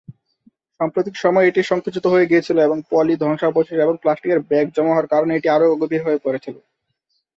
সাম্প্রতিক সময়ে এটি সংকুচিত হয়ে গিয়েছিল এবং পলি, ধ্বংসাবশেষ এবং প্লাস্টিকের ব্যাগ জমা হওয়ার কারণে এটি আরও অগভীর হয়ে পড়েছিল।